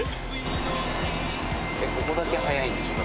ここだけ速いんでしょ。